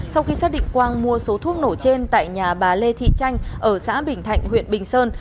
sau khi xác định quang mua số thuốc nổ trên tại nhà bà lê thị tranh ở xã bình thạnh huyện bình sơn